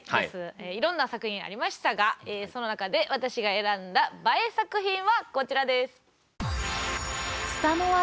いろんな作品ありましたがその中で私が選んだＢＡＥ作品はこちらです。